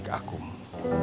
aku harus mencoba